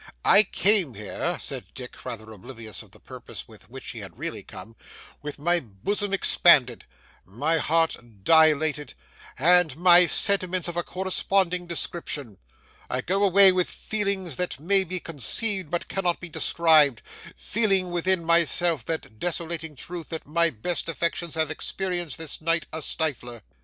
'I came here,' said Dick, rather oblivious of the purpose with which he had really come, 'with my bosom expanded, my heart dilated, and my sentiments of a corresponding description. I go away with feelings that may be conceived but cannot be described, feeling within myself that desolating truth that my best affections have experienced this night a stifler!